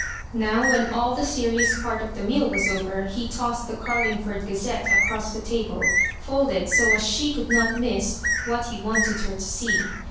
Now, when all the serious part of the meal was over, he tossed the 'Garlingford Gazette* across the table, folded so as she could not miss what he wanted her to see.